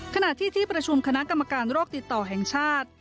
ขณะที่ที่ประชุมคณะกรรมการโรคติดต่อแห่งชาติ